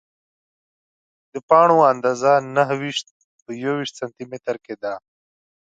د پاڼو اندازه یې نهه ویشت په یوویشت سانتي متره کې ده.